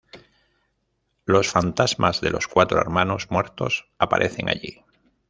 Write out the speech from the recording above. Los fantasmas de los cuatro hermanos muertos aparecen allí.